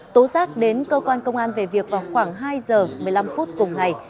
tố giác đến cơ quan công an về việc vào khoảng hai giờ một mươi năm phút cùng ngày